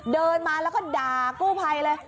เดินมาแล้วก็ด่ากู้ภัยเลย